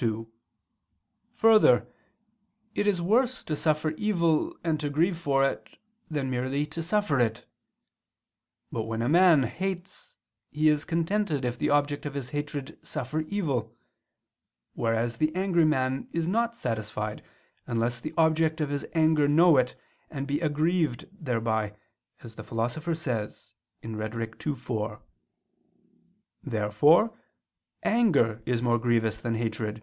2: Further, it is worse to suffer evil and to grieve for it, than merely to suffer it. But when a man hates, he is contented if the object of his hatred suffer evil: whereas the angry man is not satisfied unless the object of his anger know it and be aggrieved thereby, as the Philosopher says (Rhet. ii, 4). Therefore, anger is more grievous than hatred.